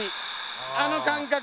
あの感覚。